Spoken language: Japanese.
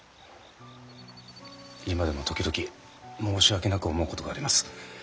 今でも時々申し訳なく思うことがあります。